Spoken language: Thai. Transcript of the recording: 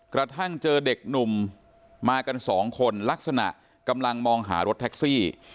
กระทั่งเจอเด็กหนุ่มมากันสองคนลักษณะกำลังมองหารถแท็กซี่